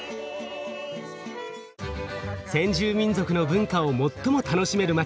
先住民族の文化を最も楽しめる街